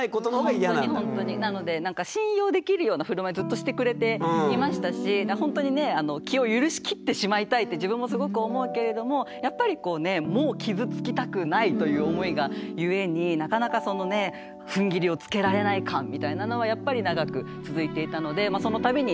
なので信用できるような振る舞いずっとしてくれていましたしほんとにね気を許しきってしまいたいって自分もすごく思うけれどもやっぱりこうねなかなかそのねふんぎりをつけられない感みたいなのはやっぱり長く続いていたのでその度になんかね